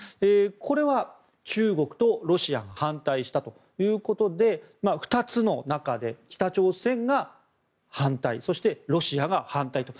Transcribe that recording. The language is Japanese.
これは中国とロシアが反対したということで２つの中で北朝鮮が反対そしてロシアが反対と。